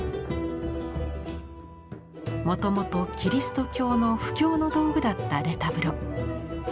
もともとキリスト教の布教の道具だったレタブロ。